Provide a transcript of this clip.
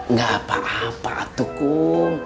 nggak apa apa tuh kum